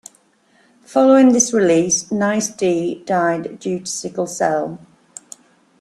Following this release, Nyce D died due to sickle cell.